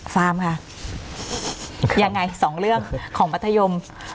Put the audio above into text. ฟาร์มค่ะยังไงสองเรื่องของมัธยม